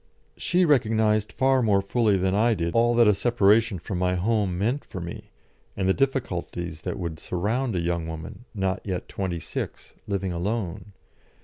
She recognised far more fully than I did all that a separation from my home meant for me, and the difficulties that would surround a young woman, not yet twenty six, living alone.